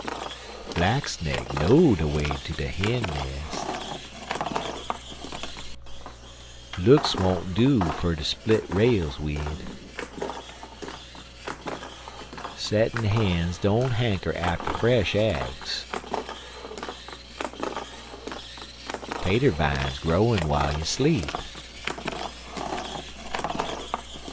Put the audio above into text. Black snake know de way ter de hin nes'. Looks won't do ter split rails wid. Settin' hens don't hanker arter fresh aigs. Tater vine growin' w'ile you sleep.